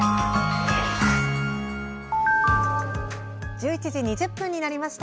１１時２０分になりました。